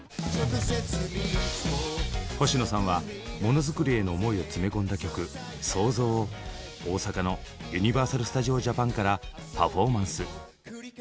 星野さんはもの作りへの思いを詰め込んだ曲「創造」を大阪のユニバーサル・スタジオ・ジャパンからパフォーマンス。